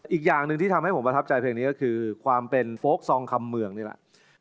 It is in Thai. อีกอย่างหนึ่งที่ทำให้ผมประทับใจเพลงนี้ก็คือความเป็นโฟลกซองคำเมืองนี่แหละ